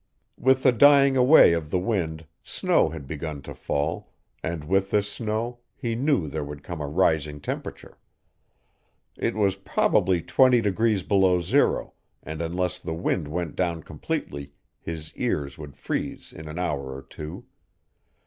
With the dying away of the wind snow had begun to fall, and with this snow he knew there would come a rising temperature. It was probably twenty degrees below zero, and unless the wind went down completely his ears would freeze in an hour or two.